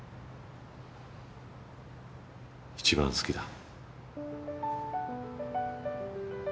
一番好きだ。